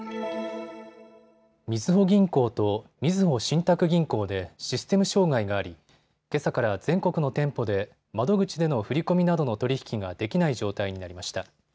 みずほ銀行とみずほ信託銀行でシステム障害がありけさから全国の店舗で窓口での振り込みなどの取り引きができない状態になりました。